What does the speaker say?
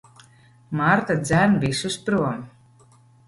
Marta dzen visus prom.